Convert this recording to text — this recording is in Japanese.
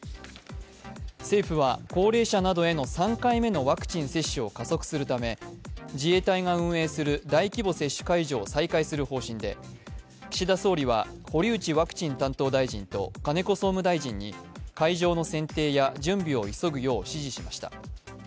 政府は高齢者などへの３回目のワクチン接種を加速するため、自衛隊が運営する大規模接種会場を再開する方針で岸田総理は堀内ワクチン担当大臣と金子総務大臣に、会場の選定や準備を急ぐよう指示しました。